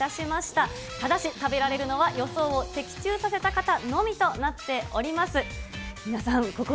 ただし、食べられるのは予想を的中させた方のみとなっております。